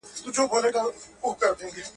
هغه وويل چي ږغ لوړ دی؟!